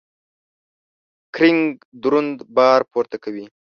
کرینګ درون بار پورته کوي.